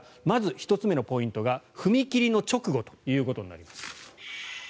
まず、１つ目のポイントが踏み切りの直後ということなんです。